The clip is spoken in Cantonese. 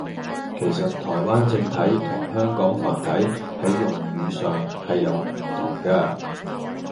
其實「台灣正體」同「香港繁體」係用語上係有唔同架